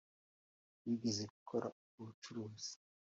wigeze gukora ubwo bucuruzi.